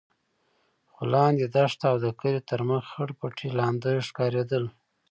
خو لاندې دښته او د کلي تر مخ خړ پټي لانده ښکارېدل.